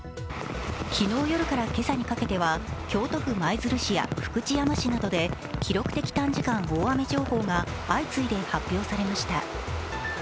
昨日夜から今朝にかけては京都府舞鶴市や福知山市などで記録的短時間大雨情報が相次いで発表されました。